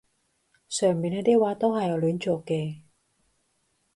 上面呢啲話都係我亂作嘅